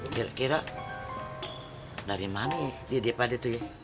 kira kira dari mana dia dipadat ya